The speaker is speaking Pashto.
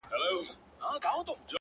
د نورو د ستم په گيلاسونو کي ورک نه يم،